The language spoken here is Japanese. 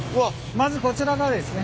まずこちらがですね